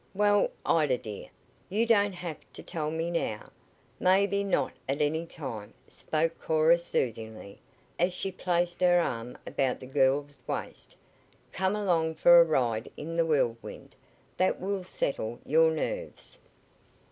"Well, Ida, dear, you don't have to tell me now maybe not at any time," spoke Cora soothingly as she placed her arm about the girl's waist. "Come along for a ride in the Whirlwind. That will settle your nerves."